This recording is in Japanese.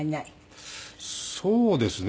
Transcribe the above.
そうですね。